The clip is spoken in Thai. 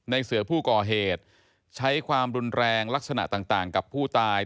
เสือผู้ก่อเหตุใช้ความรุนแรงลักษณะต่างกับผู้ตาย